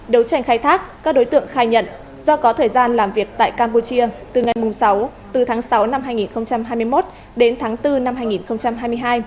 đấu tranh khai thác các đối tượng khai nhận do có thời gian làm việc tại campuchia từ ngày sáu từ tháng sáu năm hai nghìn hai mươi một đến tháng bốn năm hai nghìn hai mươi hai